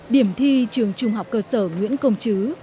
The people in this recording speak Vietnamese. điểm thi trường trung học cơ sở nguyễn công chứ